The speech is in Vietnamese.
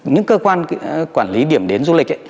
những cơ quan quản lý điểm đến du lịch